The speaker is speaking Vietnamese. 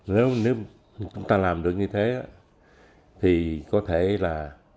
nếu chúng ta làm được như thế thì có thể là